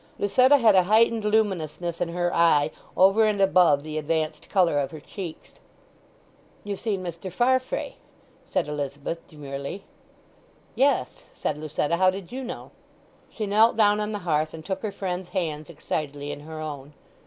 Lucetta had a heightened luminousness in her eye over and above the advanced colour of her cheeks. "You've seen Mr. Farfrae," said Elizabeth demurely. "Yes," said Lucetta. "How did you know?" She knelt down on the hearth and took her friend's hands excitedly in her own.